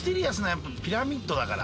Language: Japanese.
やっぱピラミッドだから。